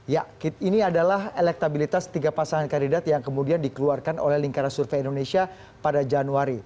ya ini adalah elektabilitas tiga pasangan kandidat yang kemudian dikeluarkan oleh lingkaran survei indonesia pada januari